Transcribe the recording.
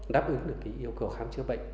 đáp ứng được yêu cầu khám chữa bệnh